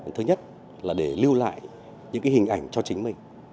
thứ nhất là để lưu lại những hình ảnh cho chính mình